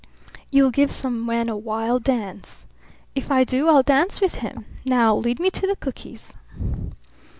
"You'll give some man a wild dance." "If I do I'll dance with him. Now lead me to the cookies."